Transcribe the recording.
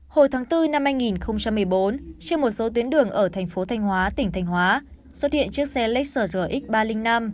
hồi tháng bốn năm hai nghìn một mươi bốn trên một số tuyến đường ở tp thanh hóa tỉnh thanh hóa xuất hiện chiếc xe lexus rx ba trăm linh năm